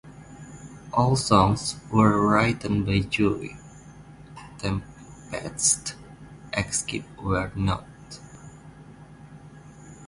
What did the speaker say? All songs were written by Joey Tempest, except where noted.